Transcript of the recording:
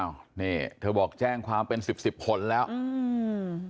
นี่เธอบอกแจ้งความเป็นสิบสิบผลแล้วอืม